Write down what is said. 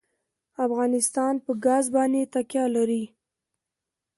افغانستان په ګاز باندې تکیه لري.